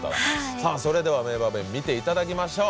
さあそれでは名場面見ていただきましょう。